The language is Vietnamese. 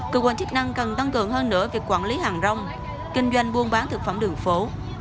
cơ quan chức năng cần tăng cường hơn nữa việc quản lý hàng rong kinh doanh buôn bán thực phẩm đường phố